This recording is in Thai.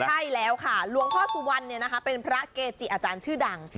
ใช่แล้วค่ะหลวงพ่อสุวรรณเป็นพระเกจิอาจารย์ชื่อดัง